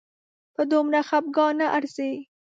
په دومره خپګان نه ارزي